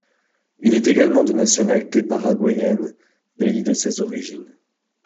Il est également de nationalité paraguayenne, pays de ses origines.